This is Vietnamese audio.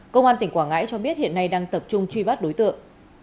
công an tp vũng tàu cho biết hiện nay đang tập trung truy bắt đối tượng